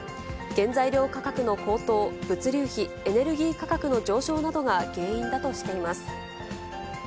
原材料価格の高騰、物流費、エネルギー価格の上昇などが原因だとしています。